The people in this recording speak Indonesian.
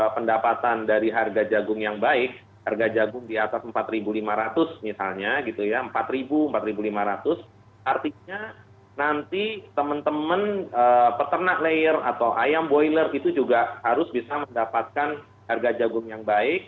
pendapatan dari harga jagung yang baik harga jagung di atas rp empat lima ratus misalnya gitu ya empat ribu empat lima ratus payment arti dari nanti temen temen pes carolyn atau ayam boiler itu juga biasa mendapatkan harga jagung baik